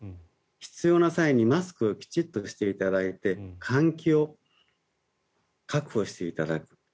必要な際にマスクをきちんとしていただいて換気を確保していただく。